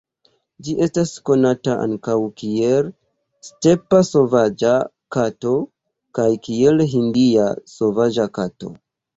Ĝi estas konata ankaŭ kiel "stepa sovaĝa kato" kaj kiel "hindia sovaĝa kato".